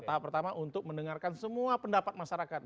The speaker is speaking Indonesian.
tahap pertama untuk mendengarkan semua pendapat masyarakat